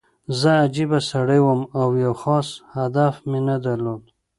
زه عجیبه سړی وم او یو خاص هدف مې نه درلود